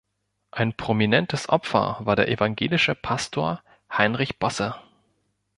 Ein prominentes Opfer war der evangelische Pastor Heinrich Bosse.